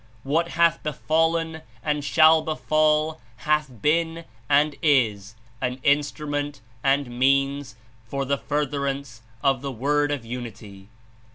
What hath befallen and shall befall hath been and Is an Instrument and means for the furtherance of the Word of Unity.